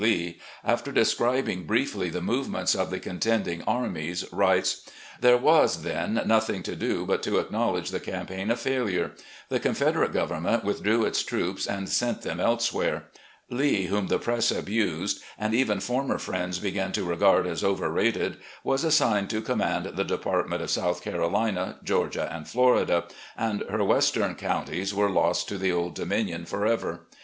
Lee," after describing briefly the movements of the contending armies, writes: "There was, then, nothing to do but to acknowledge the campaign a failtire. The Confederate Government withdrew its troops and sent them elsewhere. Lee, whom the press abused and even former friends began to regard as overrated, was assigned to command the Department of South Carolina, Georgia, and Florida; and her western counties were lost to the Old Dominion forever.